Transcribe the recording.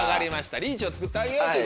リーチを作ってあげようっていう。